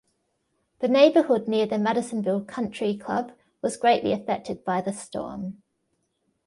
The neighborhood near the Madisonville Country Club was greatly affected by the storm.